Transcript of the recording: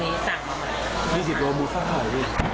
เอาไป๒๐กิโลเลยหมดแล้วแล้วอันนี้สั่งมาไหน